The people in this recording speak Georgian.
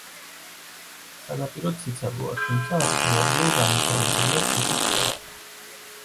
სანაპირო ციცაბოა, თუმცა ადგილ-ადგილ განვითარებულია ქვიშის პლაჟი.